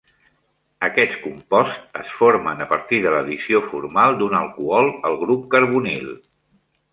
Aquests composts es formen a partir de l'addició formal d'un alcohol al grup carbonil.